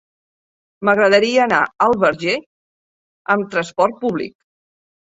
M'agradaria anar al Verger amb transport públic.